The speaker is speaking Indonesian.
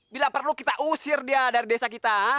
bila perlu kita usir dia dari desa kita